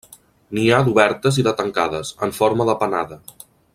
N'hi ha d'obertes i de tancades, en forma de panada.